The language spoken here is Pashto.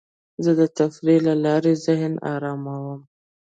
زه د تفریح له لارې ذهن اراموم.